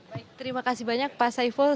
baik terima kasih banyak pak saiful